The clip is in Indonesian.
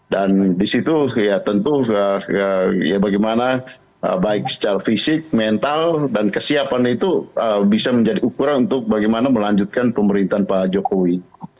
dan di situ ya tentu ya bagaimana baik secara fisik mental dan kesiapan itu bisa menjadi ukuran untuk bagaimana melanjutkan pemerintahan pak jokowi